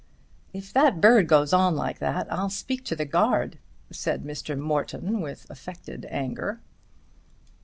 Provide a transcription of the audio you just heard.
"If that bird goes on like that I'll speak to the guard," said Mr. Morton with affected anger.